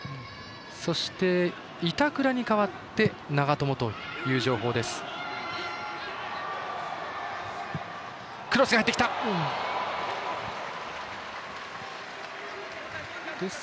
そして、板倉に代わって長友という情報です。